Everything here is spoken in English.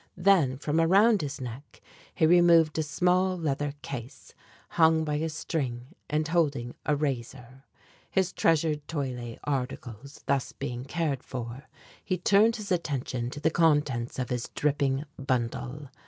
Then from around his neck he removed a small leather case, hung by a string and holding a razor. His treasured toilet articles thus being cared for, he turned his attention to the contents of his dripping bundle.